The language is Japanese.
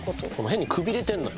変にくびれてるのよ。